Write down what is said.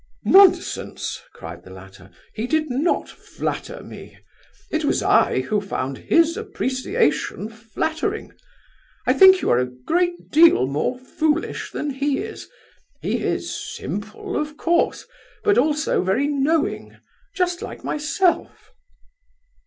"Nonsense!" cried the latter. "He did not flatter me. It was I who found his appreciation flattering. I think you are a great deal more foolish than he is. He is simple, of course, but also very knowing. Just like myself."